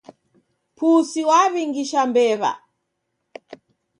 Pusi waw'ingisha mbew'a.